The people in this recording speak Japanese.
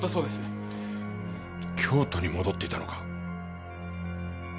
京都に戻っていたのか。